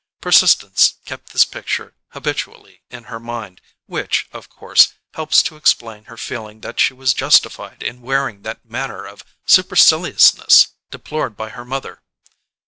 Persistence kept this picture habitually in her mind, which, of course, helps to explain her feeling that she was justified in wearing that manner of superciliousness deplored by her mother.